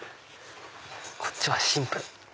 こっちはシンプル。